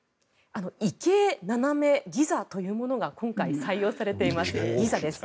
異形斜めギザというものが今回採用されています。